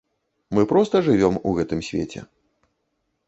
Мы проста жывём у гэтым свеце.